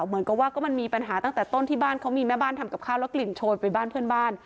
เหมือนกับว่าก็มันมีปัญหาตั้งแต่ต้นที่บ้านเขามีแม่บ้านทำกับข้าวแล้วกลิ่นโชยไปบ้านเพื่อนบ้าน